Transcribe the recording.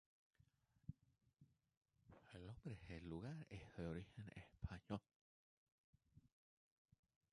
El nombre del lugar es de origen español.